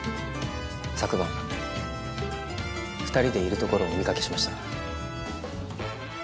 昨晩２人でいるところをお見かけしました。